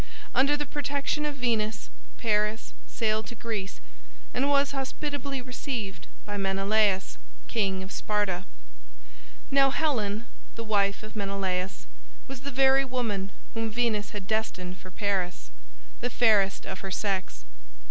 Under the protection of Venus, Paris sailed to Greece, and was hospitably received by Menelaus, king of Sparta. Now Helen, the wife of Menelaus, was the very woman whom Venus had destined for Paris, the fairest of her sex.